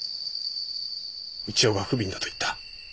三千代が不憫だと言った。